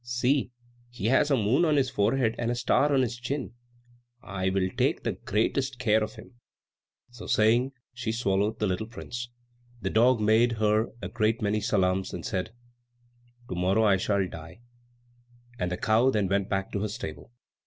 "See, he has a moon on his forehead and a star on his chin. I will take the greatest care of him." So saying she swallowed the little prince. The dog made her a great many salaams, and said, "To morrow I shall die;" and the cow then went back to her stable.